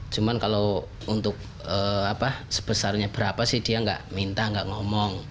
cuman kalau untuk sebesarnya berapa sih dia gak minta gak ngomong